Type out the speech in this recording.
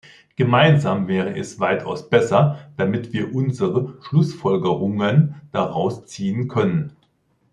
Gemeinsam wäre es weitaus besser, damit wir unsere Schlussfolgerungen daraus ziehen können.